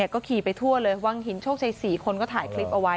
ก็ขี่ไปทั่วเลยวังหินโชคชัย๔คนก็ถ่ายคลิปเอาไว้